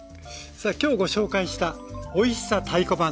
さあ今日ご紹介した「おいしさ太鼓判！